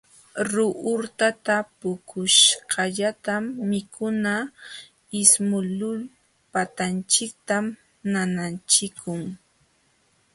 Ruurtata puquśhqallatam mikuna ismuqlul patanchiktam nanachikun.